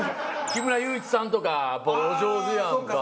木村祐一さんとかやっぱお上手やんか。